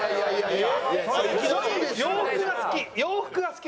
洋服が好き！